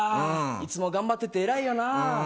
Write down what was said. いつも頑張ってて偉いよな。